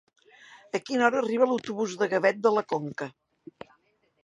A quina hora arriba l'autobús de Gavet de la Conca?